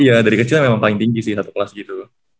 iya dari kecil memang paling tinggi sih satu kelas gitu